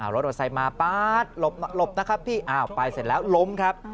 รถมอเตอร์ไซค์มาป๊าดหลบนะครับพี่อ้าวไปเสร็จแล้วล้มครับ